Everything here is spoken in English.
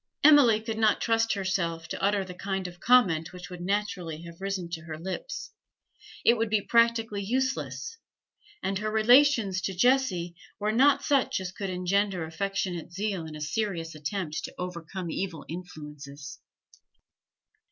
Emily could not trust herself to utter the kind of comment which would naturally have risen to her lips; it would be practically useless, and her relations to Jessie were not such as could engender affectionate zeal in a serious attempt to overcome evil influences.